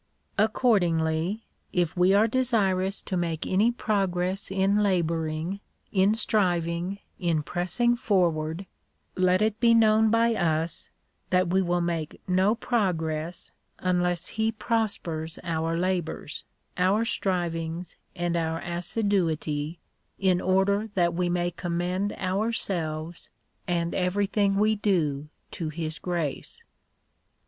Accordingly, if we are desirous to make any progress in labouring, in striving, in pressing forward, let it be known by us, that we will make no progress, unless he prospers our labours, our strivings, and our assiduity, in order that we may commend ourselves, and everything we do to his grace.